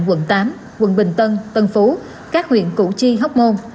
quận tám quận bình tân tân phú các huyện củ chi hóc môn